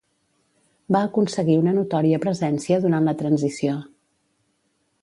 Va aconseguir una notòria presència durant la transició.